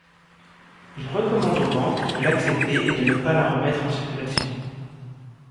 Il recommande aux banques de l'accepter et de ne pas la remettre en circulation.